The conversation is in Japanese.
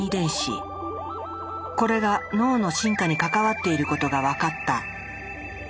これが脳の進化に関わっていることが分かった。